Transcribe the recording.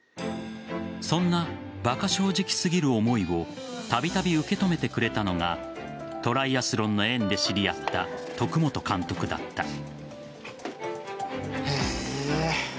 そんな馬鹿正直すぎる思いをたびたび受け止めてくれたのがトライアスロンの縁で知り合った徳本監督だった。